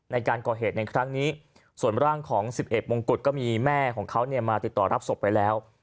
ในการก่อเหตุในครั้งนี้ส่วนร่างของ๑๑มงกุฎก็มีแม่ของเขาเนี่ยมาติดต่อรับศพไปแล้ว